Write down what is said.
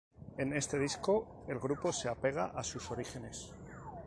En este disco, el grupo se apega a sus orígenes.